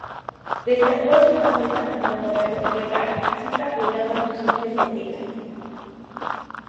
Destacó en su faceta como corredor gregario, siempre apoyando a sus jefes de filas.